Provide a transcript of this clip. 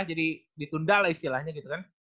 jadi ditunda lah istilahnya gitu kan